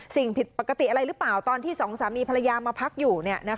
สิ่งผิดปกติอะไรหรือเปล่าตอนที่สองสามีภรรยามาพักอยู่